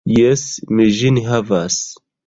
Jes, mi ĝin havas.